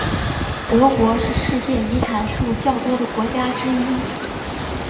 德国是世界遗产数较多的国家之一。